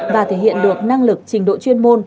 và thể hiện được năng lực trình độ chuyên môn